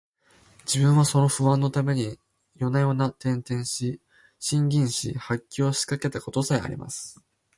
自分はその不安のために夜々、転輾し、呻吟し、発狂しかけた事さえあります